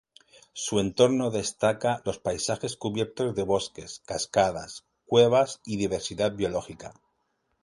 Su entorno destaca los paisajes cubiertos de bosques, cascadas, cuevas y diversidad biológica.